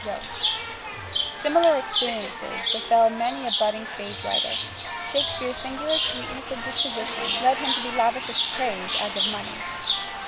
(Rowe) Similar experiences befell many a budding stage writer: Shakespeare's singular sweetness of disposition led him to be lavish of praise as of money.